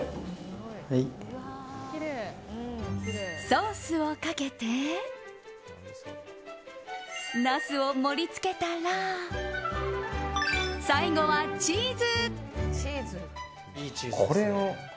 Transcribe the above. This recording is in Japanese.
ソースをかけてナスを盛り付けたら最後はチーズ。